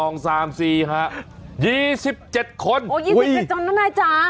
โอ้ย๒๗คนนะนายจ๊ะ